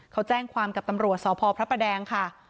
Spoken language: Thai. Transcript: เขาแจ้งความกับตำรวจสพพระประแดงค่ะ